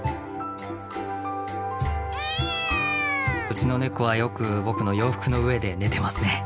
うちのネコはよく僕の洋服の上で寝てますね。